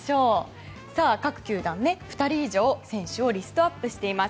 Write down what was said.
各球団２人以上選手をリストアップしています。